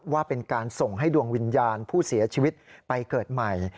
ว่าเป็นการส่งให้ดวงวิญญาณผู้เสียชีวิตไปเกิดใหม่